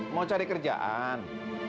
mau cari kerjaan